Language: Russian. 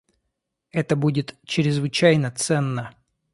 Это будет чрезвычайно ценно.